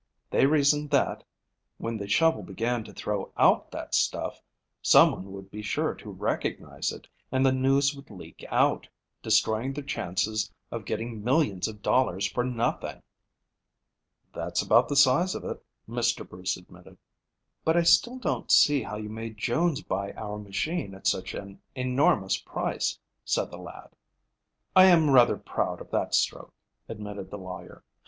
They reasoned that, when the shovel began to throw out that stuff, someone would be sure to recognize it, and the news would leak out, destroying their chances of getting millions of dollars for nothing." "That's about the size of it," Mr. Bruce admitted. "But I still don't see how you made Jones buy our machine at such an enormous price," said the lad. "I am rather proud of that stroke," admitted the lawyer.